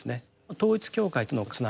統一教会とのつながり。